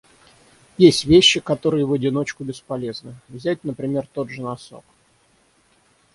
Есть вещи, которые в одиночку бесполезны. Взять, например, тот же носок.